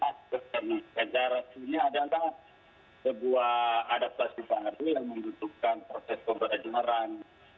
karena secara sunyi adalah sebuah adaptasi yang membutuhkan proses pembelajaran